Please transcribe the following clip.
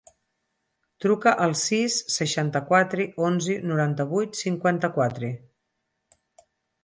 Truca al sis, seixanta-quatre, onze, noranta-vuit, cinquanta-quatre.